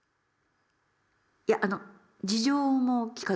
いやあの事情も聞かず？